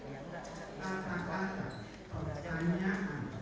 perjalanannya kemana saja